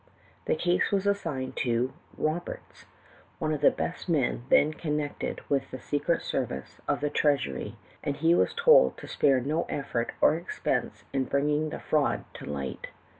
The case was assigned to Roberts, one of the best men then connected with the secret service of the treasury, and he was told to Spare no effort or expense in bringing the fraud to light.